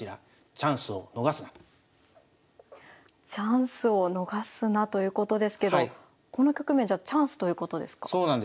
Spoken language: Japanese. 「チャンスをのがすな」ということですけどこの局面じゃあチャンスということですか？